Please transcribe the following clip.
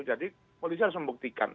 jadi polisi harus membuktikan